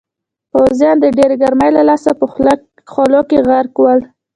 پوځیان د ډېرې ګرمۍ له لاسه په خولو کې غرق ول.